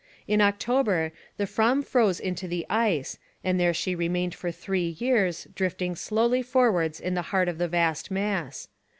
In October, the Fram froze into the ice and there she remained for three years, drifting slowly forwards in the heart of the vast mass.